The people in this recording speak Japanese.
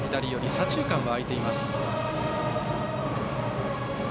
左中間は空いています。